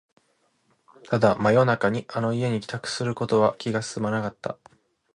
ただ、真夜中にあの家に帰宅することは気が進まなかった